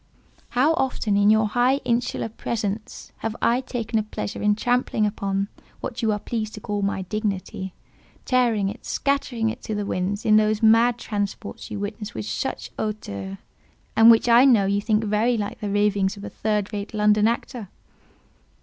How often, in your high insular presence, have I taken a pleasure in trampling upon, what you are pleased to call, my dignity; tearing it, scattering it to the winds, in those mad transports you witness with such hauteur, and which I know you think very like the ravings of a third rate London actor."